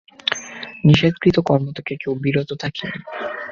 নিষেধকৃত কর্ম থেকে কেউ বিরত থাকেনি।